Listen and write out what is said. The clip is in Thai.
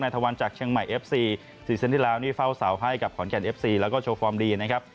ทวันจากเชียงใหม่เอฟซี๔เซตที่แล้วนี่เฝ้าเสาให้กับขอนแก่นเอฟซีแล้วก็โชว์ฟอร์มดีนะครับ